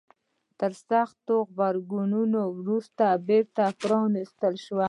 تر سخت غبرګون وروسته بیرته پرانيستل شوه.